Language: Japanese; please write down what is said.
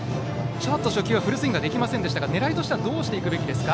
ちょっと初球はフルスイングできませんでしたが狙いはどうすべきですか。